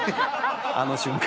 あの瞬間を。